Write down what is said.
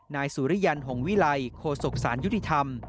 นายสุริยันหงวิลัยโคศกสารยุติธรรม